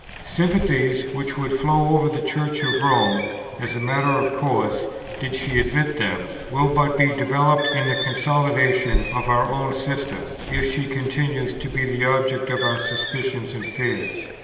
Sympathies, which would flow over to the Church of Rome, as a matter of course, did she admit them, will but be developed in the consolidation of our own system, if she continues to be the object of our suspicions and fears.